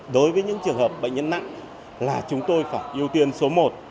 đối với những trường hợp bệnh nhân nặng là chúng tôi phải ưu tiên số một